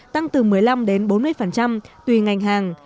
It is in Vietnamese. tăng từ một mươi năm đến bốn mươi tùy ngành hàng